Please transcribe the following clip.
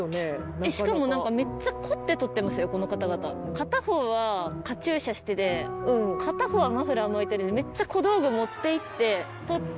片方はカチューシャしてて片方はマフラー巻いてるんでめっちゃ小道具持っていって撮って。